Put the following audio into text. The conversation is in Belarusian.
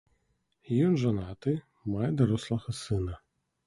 Ён жанаты, мае дарослага сына.